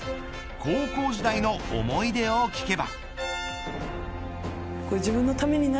高校時代の思い出を聞けば。